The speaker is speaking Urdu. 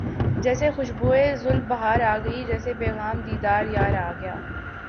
جیسے خوشبوئے زلف بہار آ گئی جیسے پیغام دیدار یار آ گیا